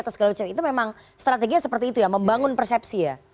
atau segala macam itu memang strateginya seperti itu ya membangun persepsi ya